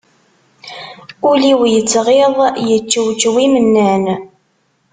Ul-iw yettɣiḍ, yeččewčew imennan